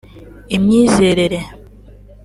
imyizerere